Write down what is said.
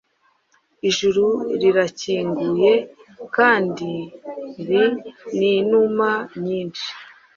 Ijuru rirakinguye, kandi ria ninuma nyinhi